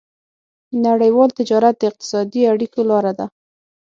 نړيوال تجارت د اقتصادي اړیکو لاره ده.